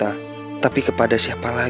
udah ada dua